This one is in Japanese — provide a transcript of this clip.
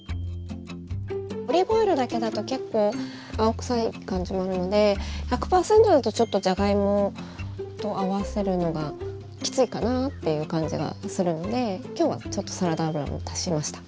オリーブオイルだけだと結構青臭い感じもあるので１００％だとちょっとじゃがいもと合わせるのがきついかなっていう感じがするので今日はちょっとサラダ油も足しました。